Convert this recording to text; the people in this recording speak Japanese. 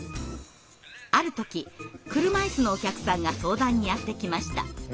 ある時車いすのお客さんが相談にやって来ました。